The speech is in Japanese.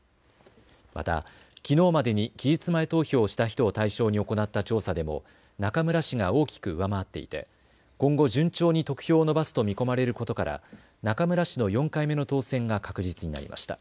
また、きのうまでに期日前投票をした人を対象に行った調査でも中村氏が大きく上回っていて今後順調に得票を伸ばすと見込まれることから中村氏の４回目の当選が確実になりました。